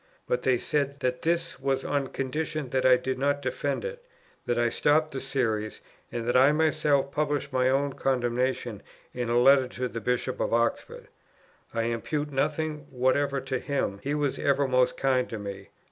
But they said that this was on condition that I did not defend it, that I stopped the series, and that I myself published my own condemnation in a letter to the Bishop of Oxford. I impute nothing whatever to him, he was ever most kind to me.